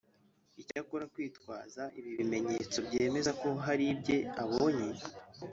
Icyakora kwitwaza ibimenyetso byemeza ko hari ibye abonye